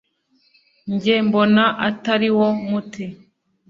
: Nge mbona atari wo muti,